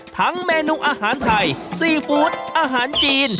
เมนูอาหารไทยซีฟู้ดอาหารจีน